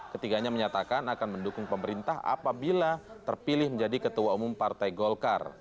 ketiganya menyatakan akan mendukung pemerintah apabila terpilih menjadi ketua umum partai golkar